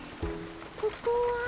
ここは。